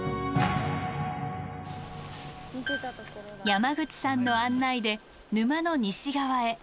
山口さんの案内で沼の西側へ。